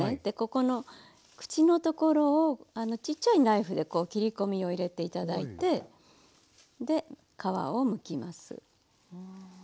ここの口の所をちっちゃいナイフでこう切り込みを入れて頂いて皮をむきます。